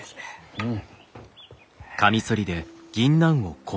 うん。